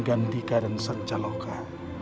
gandika dan sancaloka